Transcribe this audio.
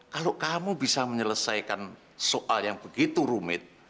kalau kamu bisa menyelesaikan soal yang begitu rumit